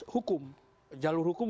hukum jalur hukum